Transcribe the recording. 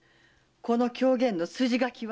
この狂言の筋書きは？